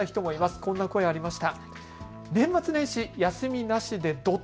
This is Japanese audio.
こんな声がありました。